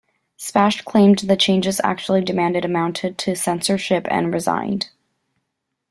Spash claimed the changes actually demanded amounted to censorship and resigned.